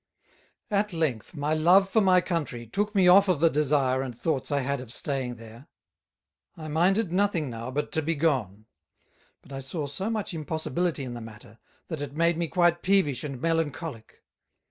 _ At length my Love for my Country took me off of the desire and thoughts I had of staying there; I minded nothing now but to be gone; but I saw so much impossibility in the matter, that it made me quite peevish and melancholick.